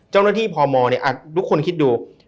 เจ้าหน้าที่พมทุกคนคิดดู